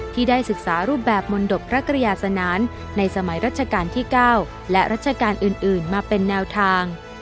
ที่ได้ศึกษารูปแบบมนตบพระกรยาสนานในสมัยรัชกาลที่๙และรัชกาลอื่นมาเป็นแนวทาง